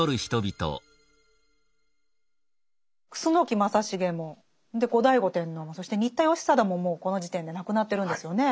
楠木正成も後醍醐天皇もそして新田義貞ももうこの時点で亡くなってるんですよね。